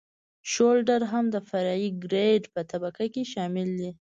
شولډر هم د فرعي ګریډ په طبقه کې شامل دی